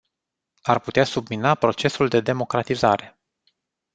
Ar putea submina procesul de democratizare.